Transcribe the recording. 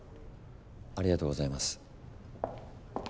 ありがとうございます。